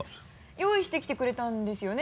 用意してきてくれたんですよね？